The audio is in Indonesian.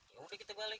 yaudah kita balik